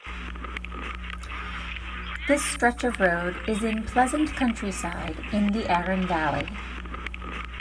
This stretch of road is in pleasant countryside in the Aeron Valley.